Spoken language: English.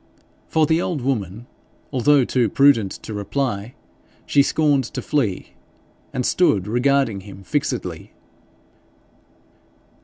For the old woman, although too prudent to reply, she scorned to flee, and stood regarding him fixedly.